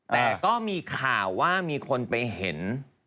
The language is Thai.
แต่ก็มีข่าวว่ามีคนไปเห็น